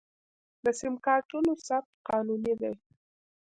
د سم کارتونو ثبت قانوني دی؟